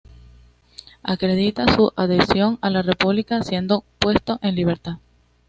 Acredita su adhesión a la República, siendo puesto en libertad.